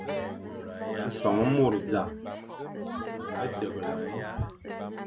Son môr nẑañ.